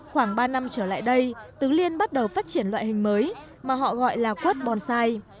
khoảng ba năm trở lại đây tứ liên bắt đầu phát triển loại hình mới mà họ gọi là quất bonsai